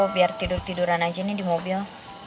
biar tidur tiduran aja nih di mobil